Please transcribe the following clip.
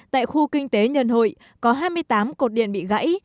tại khu kinh tế nhân hội có hai mươi tám cột điện bị gãy